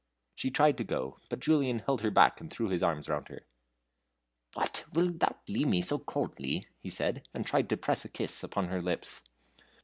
She tried to go, but Julian held her back and threw his arms round her. "What, wilt thou leave me so coldly?" he said, and tried to press a kiss upon her lips.